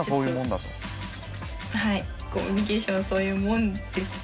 コミュニケーションはそういうもんですよね。